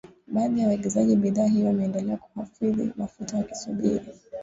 Baadhi ya waagizaji bidhaa hiyo wameendelea kuhodhi mafuta wakisubiri